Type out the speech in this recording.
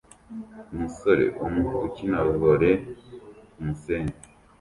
Umusore umwe ukina volley kumusenyi